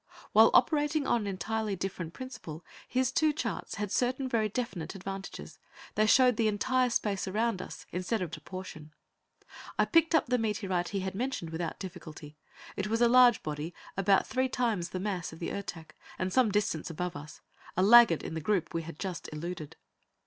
While operating on an entirely different principle, his two charts had certain very definite advantages: they showed the entire space around us, instead of but a portion. I picked up the meteorite he had mentioned without difficulty. It was a large body, about three times the mass of the Ertak, and some distance above us a laggard in the group we had just eluded.